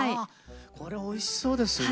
これおいしそうですね